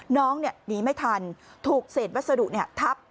น้องหนีไม่ทันถูกเศษวัสดุทับ